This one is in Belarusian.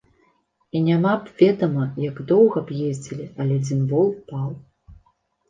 І няма б ведама, як доўга б ездзілі, але адзін вол паў.